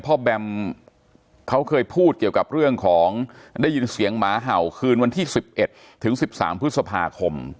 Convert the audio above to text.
แบมเขาเคยพูดเกี่ยวกับเรื่องของได้ยินเสียงหมาเห่าคืนวันที่๑๑ถึง๑๓พฤษภาคม